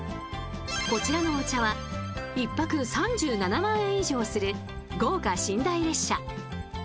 こちらのお茶は１泊３７万円以上する豪華寝台列車